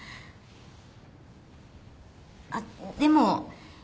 あっでも。